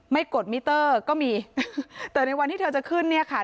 กดมิเตอร์ก็มีแต่ในวันที่เธอจะขึ้นเนี่ยค่ะ